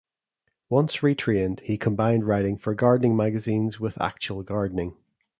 Once retrained he combined writing for gardening magazines with actual gardening.